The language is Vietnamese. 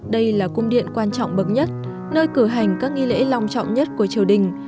đây là cung điện quan trọng bậc nhất nơi cử hành các nghi lễ long trọng nhất của triều đình